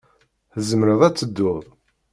Tzemreḍ ad tedduḍ.